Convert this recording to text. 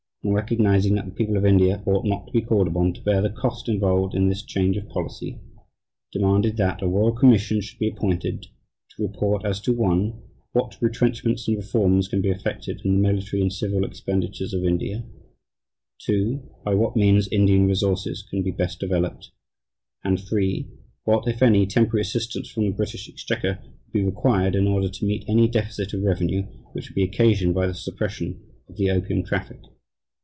and recognizing that the people of India ought not to be called upon to bear the cost involved in this change of policy," demanded that "a Royal Commission should be appointed ... to report as to (1) What retrenchments and reforms can be effected in the military and civil expenditures of India; (2) By what means Indian resources can be best developed; and (3) What, if any, temporary assistance from the British Exchequer would be required in order to meet any deficit of revenue which would be occasioned by the suppression of the opium traffic."